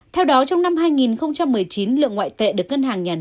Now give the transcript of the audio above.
theo đó trong năm hai nghìn một mươi chín lượng ngoại tệ được ngân hàng nhà nước